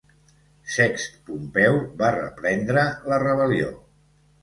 Sext Pompeu va reprendre la rebel·lió.